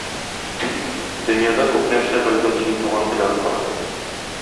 Дөньяда күп нәрсә белдем син туган тел аркылы.